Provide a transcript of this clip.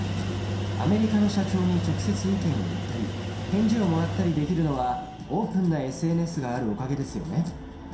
アメリカの社長に直接意見を言ったり返事をもらったりできるのはオープンなＳＮＳがあるおかげですよね。